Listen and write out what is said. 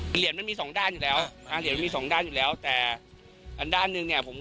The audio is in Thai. เหรียญมันมีสองด้านอยู่แล้วแต่อันด้านหนึ่ง